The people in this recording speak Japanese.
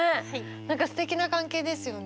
何かすてきな関係ですよね。